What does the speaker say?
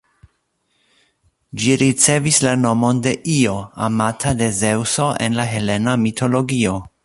Ĝi ricevis la nomon de Io, amata de Zeŭso en la helena mitologio.